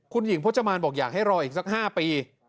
คุณหญิงพจมานบอกอยากให้รออีกสัก๕ปี